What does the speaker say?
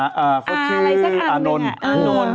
อะไรสักอันบังงะ